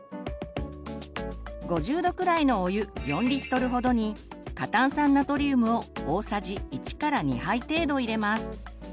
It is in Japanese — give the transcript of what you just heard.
５０℃くらいのお湯４ほどに過炭酸ナトリウムを大さじ１２杯程度入れます。